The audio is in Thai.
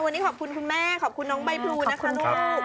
วันนี้ขอบคุณคุณแม่ขอบคุณน้องใบพลูนะคะลูก